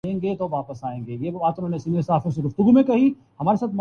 پاکستان کی شکست نے افسردہ کردیا تھا